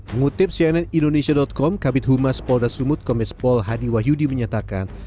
mengutip cnn indonesia com kabitumas polda sumut kombes pol hadi wahyudi menyatakan